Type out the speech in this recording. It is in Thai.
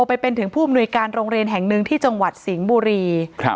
ไปเป็นถึงผู้อำนวยการโรงเรียนแห่งหนึ่งที่จังหวัดสิงห์บุรีครับ